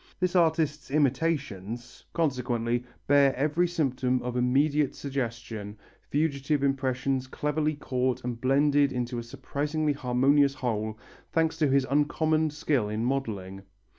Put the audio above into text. This artist's imitations, consequently, bear every symptom of immediate suggestion fugitive impressions cleverly caught and blended into a surprisingly harmonious whole, thanks to his uncommon skill in modelling.